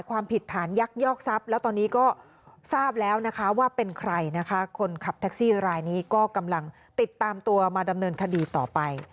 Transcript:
คนขับแท็กซี่รายนี้ก็กำลังติดตามตัวมาดำเนินคดีต่อไป